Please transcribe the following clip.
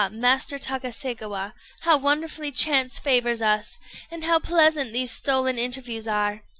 Master Takaségawa, how wonderfully chance favours us! and how pleasant these stolen interviews are!